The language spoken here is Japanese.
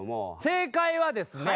正解はですね